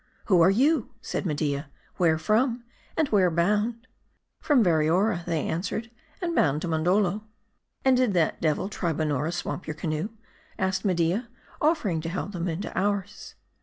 " Who are you ?" said Media, " where from, and where bound ?"." From Variora," they answered, " and bound to Mondoldo." " And did that devil Tribonnora swamp your canoe ?" asked Media, offering to help them into ours.